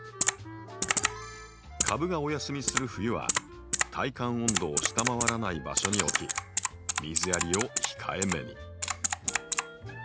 株がお休みする冬は耐寒温度を下回らない場所に置き水やりを控えめに。